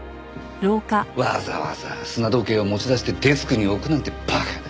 わざわざ砂時計を持ち出してデスクに置くなんて馬鹿な奴だ。